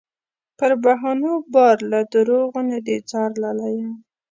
پر بهانو بار له دروغو نه دې ځار لالیه